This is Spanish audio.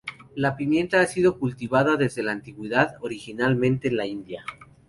La pimienta ha sido cultivada desde la antigüedad, originalmente en la India.